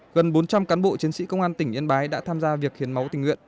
gần bốn trăm linh cán bộ chiến sĩ công an tỉnh yên bái đã tham gia việc hiến máu tình nguyện